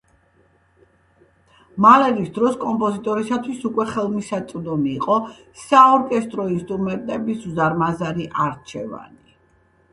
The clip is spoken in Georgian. მალერის დროს კომპოზიტორისთვის უკვე ხელმისაწვდომი იყო საორკესტრო ინსტრუმენტების უზარმაზარი არჩევანი.